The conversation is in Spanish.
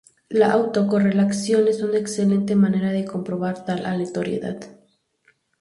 La autocorrelación es una excelente manera de comprobar tal aleatoriedad.